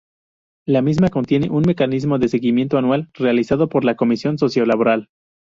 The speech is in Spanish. La misma contiene un mecanismo de seguimiento anual, realizado por la Comisión Sociolaboral.